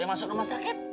yang masuk rumah sakit